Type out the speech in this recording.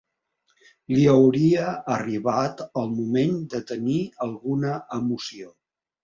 Li hauria arribat el moment de tenir alguna emoció